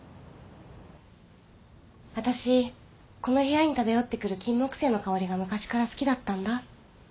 あたしこの部屋に漂ってくるキンモクセイの香りが昔から好きだったんだ。